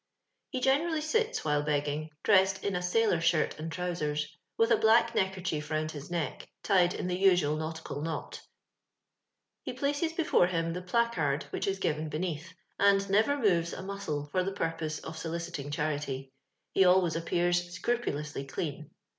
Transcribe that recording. lie generally sits while begi?ing, drosscd in a sailor shirt and trousers, with a block ncck(T chief round his neck, tied in tlio usual nauti cal knot He places before him the placard which is given beneath, and never njovea a muscle for tlie purpose of solicitinjj charity. He always appears scrupulously clean.